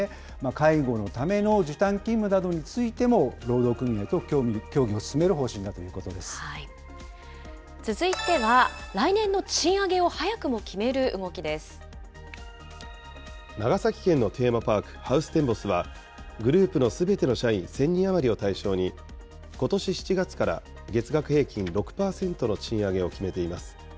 介護のための時短勤務などについても、労働組合と協議を進める方続いては、来年の賃上げを早長崎県のテーマパーク、ハウステンボスは、グループのすべての社員１０００人余りを対象に、ことし７月から月額平均６％の賃上げを決めています。